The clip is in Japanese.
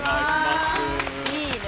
いいね。